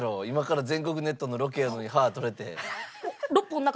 今から全国ネットのロケやのに歯取れて。